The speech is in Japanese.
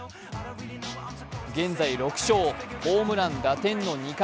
現在６勝、ホームラン打点の２冠。